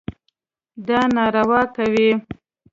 دا ناروا کوي.